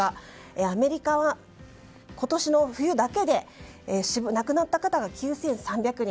アメリカは今年の冬だけで亡くなった方が９３００人。